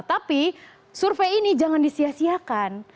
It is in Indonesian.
tapi survei ini jangan disiasiakan